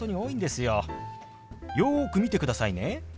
よく見てくださいね。